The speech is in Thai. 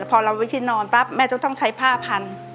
พอเราไว้ที่นอนปั๊บแม่ต้องใช้ผ้าพัน